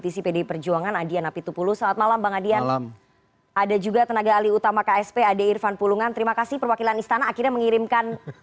selamat malam malam riba